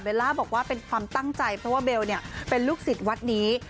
ล่าบอกว่าเป็นความตั้งใจเพราะว่าเบลเป็นลูกศิษย์วัดนี้